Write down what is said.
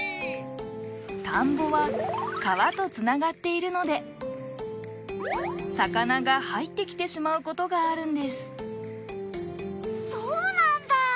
田んぼは川とつながっているので魚が入ってきてしまうことがあるんですそうなんだ！